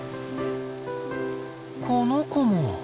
この子も！